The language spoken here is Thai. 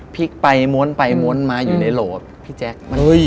พลิกไปม้วนไปม้วนมาอยู่ในโหลดพี่แจ๊ค